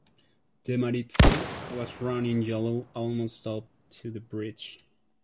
The Maritza was running yellow almost up to the bridge.